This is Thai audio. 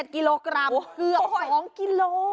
กิโลกรัมเกือบ๒กิโล